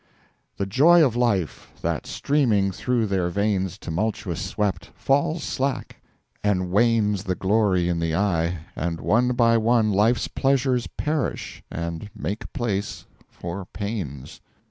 The Joy of Life, that streaming through their Veins Tumultuous swept, falls slack and wanes The Glory in the Eye and one by one Life's Pleasures perish and make place for Pains.